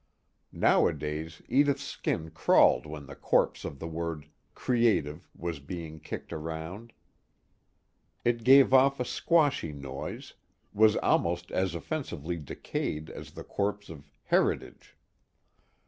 Nowadays Edith's skin crawled when the corpse of the word "creative" was being kicked around. It gave off a squashy noise; was almost as offensively decayed as the corpse of "heritage."